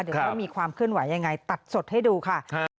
เดี๋ยวมีความขึ้นไหวยังไงตัดสดให้ดูค่ะ